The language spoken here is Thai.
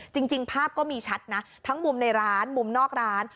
จริงภาพก็มีชัดนะทั้งมุมในร้านมุมนอกร้าน